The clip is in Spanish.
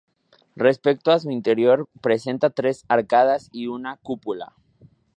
Respecto a su interior presenta tres arcadas y una cúpula.